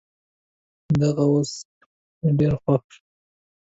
دغه اس مې ډېر خوښ شو.